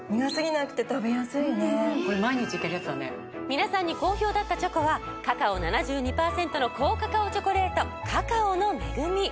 皆さんに好評だったチョコはカカオ７２％の高カカオチョコレート「カカオの恵み」。